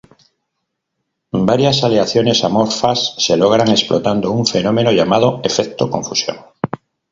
Varias aleaciones amorfas se logran explotando un fenómeno llamado efecto ""confusión"".